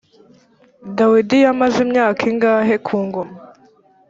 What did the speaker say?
dawidi yamaze imyaka ingahe ku ngoma